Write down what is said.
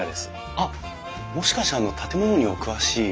あっもしかしてあの建物にお詳しい。